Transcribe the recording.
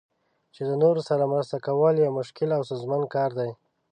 چې د نورو سره مرسته کول یو مشکل او ستونزمن کار دی.